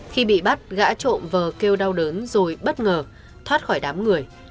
khi bị bắt gã trộm vờ kêu đau đớn rồi bất ngờ thoát khỏi đám người